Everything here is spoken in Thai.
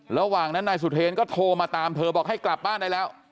ระหว่างนั้นนายสุเทรนก็โทรมาตามเธอบอกให้กลับบ้านได้แล้ว